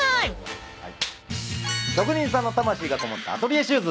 職人さんの魂がこもったアトリエシューズ。